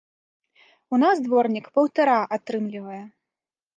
У нас дворнік паўтара атрымлівае.